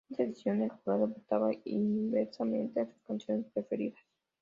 En esta edición, el jurado votaba inversamente a sus canciones preferidas.